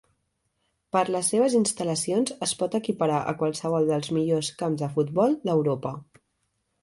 Per les seves instal·lacions es pot equiparar a qualsevol dels millors camps de futbol d'Europa.